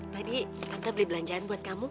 tadi tante beli belanjaan buat kamu